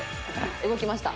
動きました。